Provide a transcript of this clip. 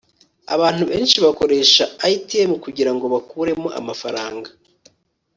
abantu benshi bakoresha atm kugirango bakuremo amafaranga